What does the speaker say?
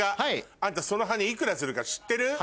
あんたその羽幾らするか知ってる？